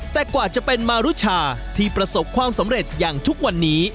แต่กว่าจะเป็นมารุชาที่ประสบความสำเร็จอย่างทุกวันนี้